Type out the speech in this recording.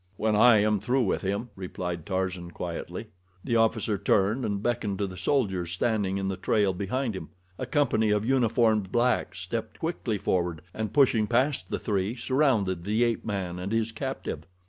"When I am through with him," replied Tarzan, quietly. The officer turned and beckoned to the soldiers standing in the trail behind him. A company of uniformed blacks stepped quickly forward and pushing past the three, surrounded the ape man and his captive.